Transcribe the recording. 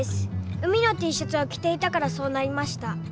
海のＴシャツをきていたからそうなりました。